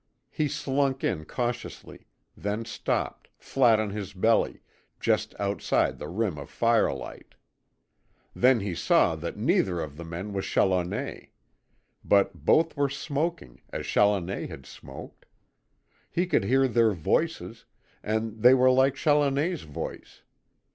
He slunk in cautiously then stopped, flat on his belly, just outside the rim of firelight. Then he saw that neither of the men was Challoner. But both were smoking, as Challoner had smoked. He could hear their voices, and they were like Challoner's voice.